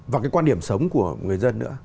và cái quan điểm sống của người dân nữa